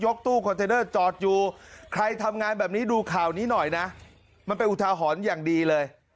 ตู้คอนเทนเนอร์จอดอยู่ใครทำงานแบบนี้ดูข่าวนี้หน่อยนะมันเป็นอุทาหรณ์อย่างดีเลย